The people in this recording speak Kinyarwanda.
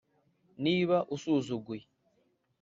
niba usuzuguye